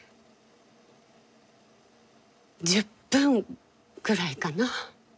１０分ぐらいかな。